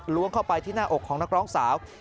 เข้าไปที่หน้าอกของนักร้องสาว